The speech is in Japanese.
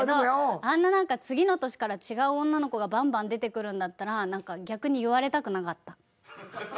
あんな何か次の年から違う女の子がバンバン出てくるんだったら何か逆に言われたくなかった。